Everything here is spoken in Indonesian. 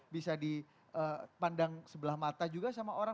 bisa dipandang sebelah mata juga sama orang